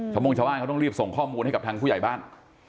โมงชาวบ้านเขาต้องรีบส่งข้อมูลให้กับทางผู้ใหญ่บ้าน